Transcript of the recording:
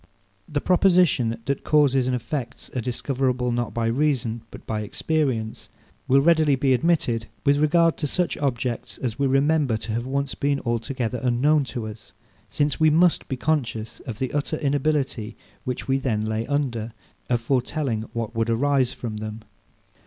This proposition, that causes and effects are discoverable, not by reason but by experience, will readily be admitted with regard to such objects, as we remember to have once been altogether unknown to us; since we must be conscious of the utter inability, which we then lay under, of foretelling what would arise from them.